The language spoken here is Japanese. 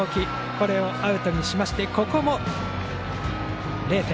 これをアウトにしましてここも０点。